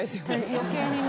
余計にね。